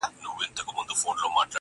پټه خوله وځم له بې قدره بازاره,